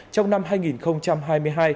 trong năm hai nghìn hai mươi hai